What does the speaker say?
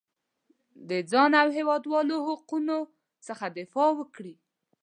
د ځان او هېوادوالو حقونو څخه دفاع وکړي.